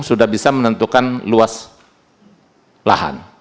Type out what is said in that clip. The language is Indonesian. sudah bisa menentukan luas lahan